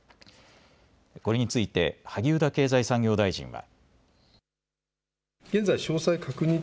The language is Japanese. これについて萩生田経済産業大臣は。